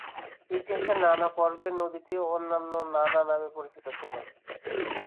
ইতিহাসের নানা পর্বে নদীটি অন্যান্য নানা নামে পরিচিত ছিল।